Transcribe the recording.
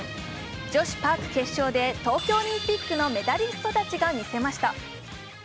女子パーク決勝で東京オリンピックのメダリストたちが見せました。